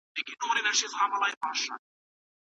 کوربه هیواد سرحدي شخړه نه پیلوي.